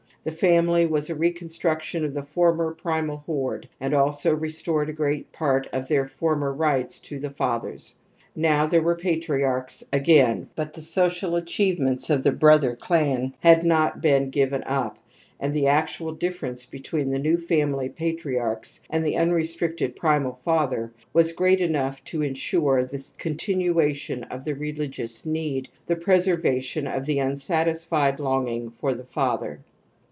The family was a reconstruction of the former primal horde and also restored a great part of their former rights to the fathers. Now there were patriarchs again but the social achievements of the brother clan had not been given up and the actual difference between the new family patriarchs and the unrestricted primal father was great enough to ensure the continuation of the religious need, the preserva tion of the unsatisfied longing for the father.